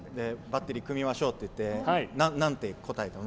バッテリー組みましょうって言って、なんて答えたの？